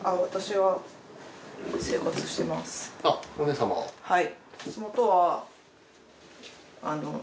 はい。